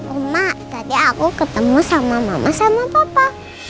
emak tadi aku ketemu sama mama sama papa